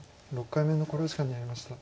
６回目の考慮時間に入りました。